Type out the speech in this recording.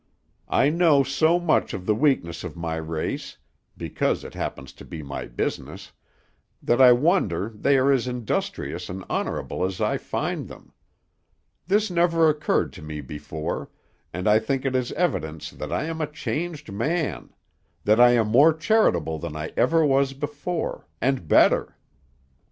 I know so much of the weakness of my race because it happens to be my business that I wonder they are as industrious and honorable as I find them. This never occurred to me before, and I think it is evidence that I am a changed man; that I am more charitable than I ever was before, and better."